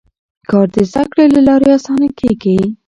کار د زده کړې له لارې اسانه کېږي